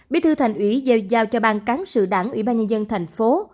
bí thư thành ủy giao cho ban cán sự đảng ủy ban nhân dân thành phố